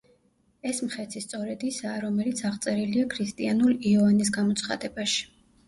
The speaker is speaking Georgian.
ეს „მხეცი“ სწორედ ისაა, რომელიც აღწერილია ქრისტიანულ იოანეს გამოცხადებაში.